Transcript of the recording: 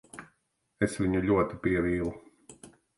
Es viņu ļoti pievīlu.